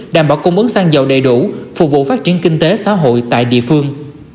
đảm bảo cung ứng xăng dầu đầy đủ phục vụ phát triển kinh tế xã hội tại địa phương